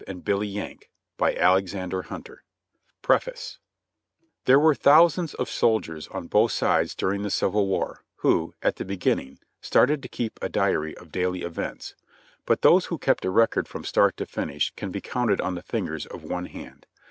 The Why and the Wherefore, 711 PREFACE There were thousands of soldiers on both sides during the Civil War, who, at the beginning, started to keep a diary of daily events, but those who kept a record from start to finish can be counted on the fingers of one hand.